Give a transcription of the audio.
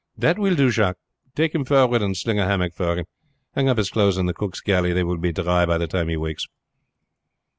"That will do, Jacques. Take him forward and sling a hammock for him. Hang up his clothes in the cook's galley, they will be dry by the time he wakes."